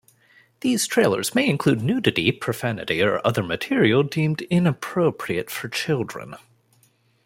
These trailers may include nudity, profanity or other material deemed inappropriate for children.